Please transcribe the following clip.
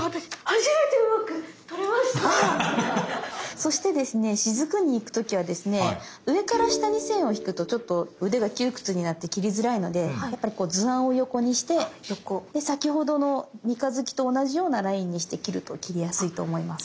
そしてですねしずくに行く時はですね上から下に線を引くとちょっと腕が窮屈になって切りづらいのでやっぱり図案を横にしてで先ほどの三日月と同じようなラインにして切ると切りやすいと思います。